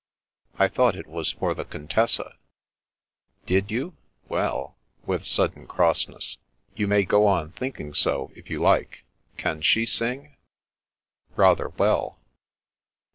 " I thought it was for the Contessa." "Did you? Well" — ^with sudden crossness —" you may go on thinking so, if you like. Can she sing? "" Rather well."